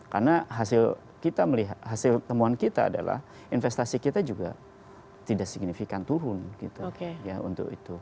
karena hasil temuan kita adalah investasi kita juga tidak signifikan turun untuk itu